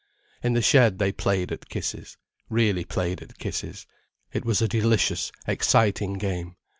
In the shed they played at kisses, really played at kisses. It was a delicious, exciting game.